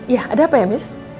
ya ada apa ya mis